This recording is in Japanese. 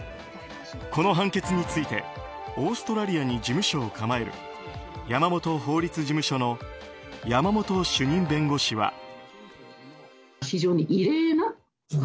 この判決についてオーストラリアに事務所を構える山本法律事務所の山本主任弁護士は。